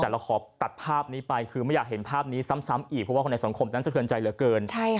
แต่เราขอตัดภาพนี้ไปคือไม่อยากเห็นภาพนี้ซ้ำพวกในสังคมสะเทิญใจเหลือเกิน